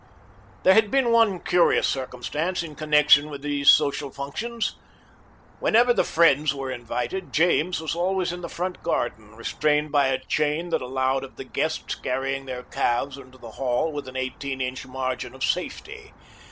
There had been one curious circumstance in connection with these social functions. Whenever the friends were invited, James was always in the front garden, restrained by a chain that allowed of the guests carrying their calves into the hall with an eighteen inch margin of safety.